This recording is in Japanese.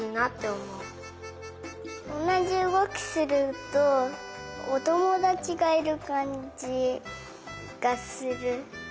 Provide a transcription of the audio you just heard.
おなじうごきするとおともだちがいるかんじがする。